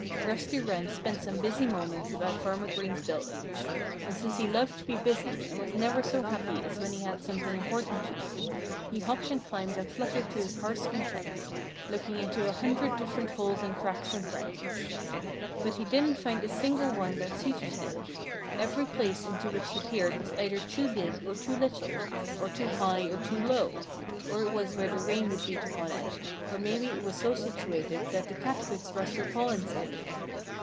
Rusty Wren spent some busy moments about Farmer Green's buildings. And since he loved to be busy and was never so happy as when he had something important to do, he hopped and climbed and fluttered to his heart's content, looking into a hundred different holes and cracks and crannies. But he didn't find a single one that suited him. Every place into which he peered was either too big or too little, or too high or too low; or it was where the rain would beat upon it; or maybe it was so situated that the cat could thrust her paw inside.